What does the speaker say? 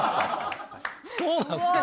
そうなんですか？